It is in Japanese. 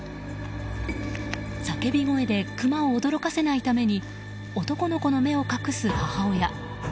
叫び声でクマを驚かせないために男の子の目を隠す母親。